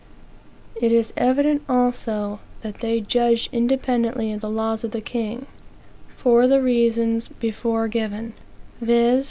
It is evident, also, that they judged independently of the laws of the king, for the reasons before given, viz.